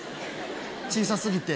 小さすぎて。